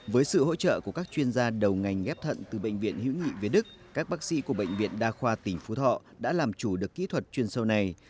với sự hỗ trợ của các chuyên gia đầu ngành ghép thận từ bệnh viện hữu nghị việt đức các bác sĩ của bệnh viện đa khoa tỉnh phú thọ đã làm chủ được kỹ thuật chuyên sâu này